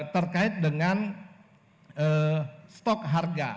terkait dengan stok harga